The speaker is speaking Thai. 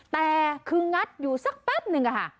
แต่คืองัดอยู่สักแป๊บนึงค่ะ